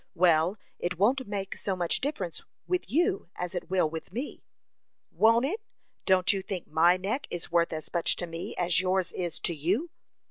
"Well, it won't make so much difference with you as it will with me." "Won't it! Don't you think my neck is worth as much to me as yours is to you?"